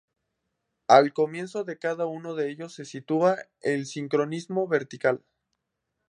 Al comienzo de cada uno de ellos se sitúa el sincronismo vertical.